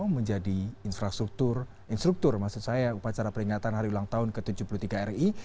menjadi infrastruktur maksud saya upacara peringatan hari ulang tahun ke tujuh puluh tiga ri